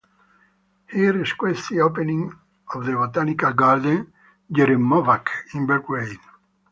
He requested opening of the Botanical garden "Jevremovac" in Belgrade.